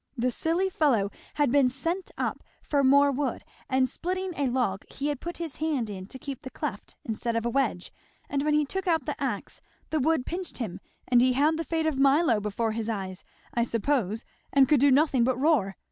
The silly fellow had been sent up for more wood, and splitting a log he had put his hand in to keep the cleft, instead of a wedge, and when he took out the axe the wood pinched him; and he had the fate of Milo before his eyes, I suppose, and could do nothing but roar.